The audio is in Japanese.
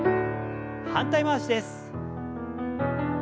反対回しです。